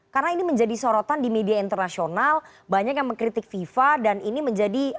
karena ini menjadi sorotan di media internasional banyak yang mengkritik fifa dan ini menjadi